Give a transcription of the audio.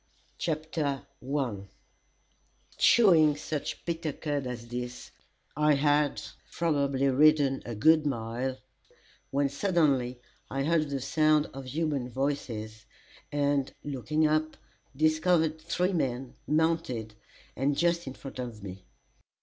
CHAPTER IV Chewing such bitter cud as this, I had probably ridden a good mile, when suddenly I heard the sound of human voices, and looking up, discovered three men, mounted, and just in front of me.